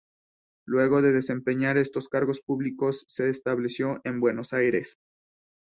Luego de desempeñar estos cargos públicos se estableció en Buenos Aires.